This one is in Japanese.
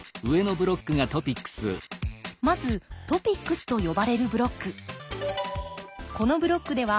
まずトピックスと呼ばれるブロック。